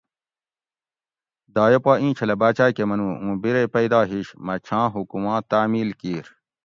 دایہ پا ایں چھلہ باچاۤ کہ منو اوں بِرے پیدا ہیش مہ چھاں حکماں تعمیل کیر